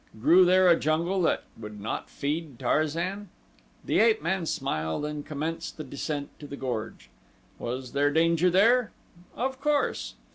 Grew there a jungle that would not feed Tarzan? The ape man smiled and commenced the descent to the gorge. Was there danger there? Of course.